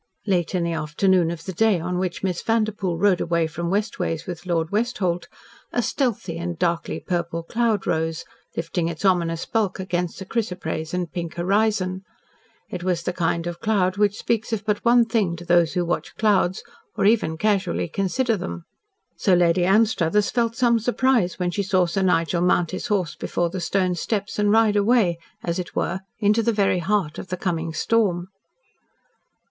Late in the afternoon of the day on which Miss Vanderpoel rode away from West Ways with Lord Westholt, a stealthy and darkly purple cloud rose, lifting its ominous bulk against a chrysoprase and pink horizon. It was the kind of cloud which speaks of but one thing to those who watch clouds, or even casually consider them. So Lady Anstruthers felt some surprise when she saw Sir Nigel mount his horse before the stone steps and ride away, as it were, into the very heart of the coming storm.